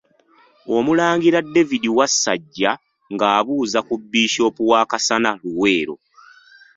Omulangira David Wasajja ng'abuuza ku Bishop wa Kasana Luweero .